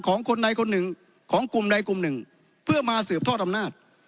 ของคนใดคนหนึ่งของกลุ่มใดกลุ่มหนึ่งเพื่อมาสืบทอดอำนาจ